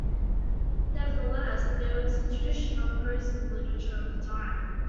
Nevertheless, there was a tradition of prose in the literature of the time.